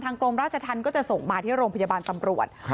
ทางกรมราชทันจะส่งมาที่โรงพยาบาลตำรวจ